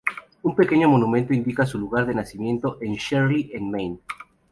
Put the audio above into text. Un pequeño monumento indica su lugar de nacimiento en Shirley, en Maine.